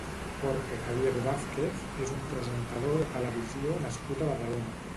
Jorge Javier Vázquez és un presentador de televisió nascut a Badalona.